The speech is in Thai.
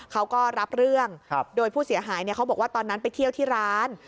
เขาก็รับเรื่องโดยผู้เสียหายเขาบอกว่าตอนนั้นไปเที่ยวที่ร้าน